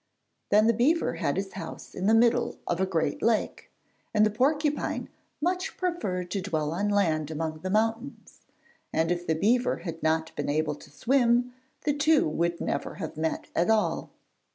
Then the beaver had his house in the middle of a great lake, and the porcupine much preferred to dwell on land among the mountains, and if the beaver had not been able to swim, the two would never have met at all.